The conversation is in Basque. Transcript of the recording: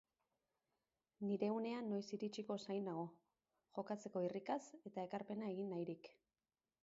Nire unea noiz iritsiko zain nago, jokatzeko irrikaz eta ekarpena egin nahirik.